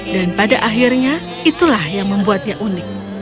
dan pada akhirnya itulah yang membuatnya unik